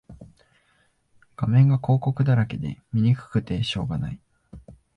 画面が広告だらけで見にくくてしょうがない